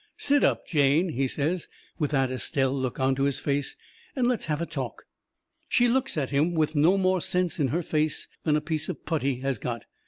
"Sit up, Jane," he says, with that Estelle look onto his face, "and let us have a talk." She looks at him with no more sense in her face than a piece of putty has got.